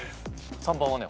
３番はね